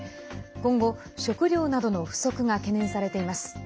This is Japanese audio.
今後、食料などの不足が懸念されています。